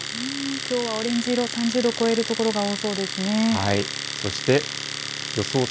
きょうはオレンジ色、３０度を超える所が多そうですね。